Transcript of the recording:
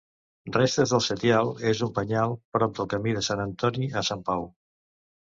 Restes del setial en un penyal prop del camí de Sant Antoni a Santa Pau.